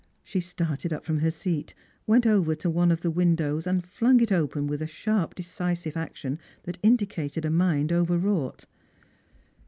She started up from her seat, went over to one of the windows, and flung it open with a sharp decisive action that indicated a mind overwrought.